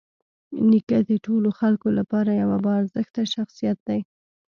نیکه د ټولو خلکو لپاره یوه باارزښته شخصیت دی.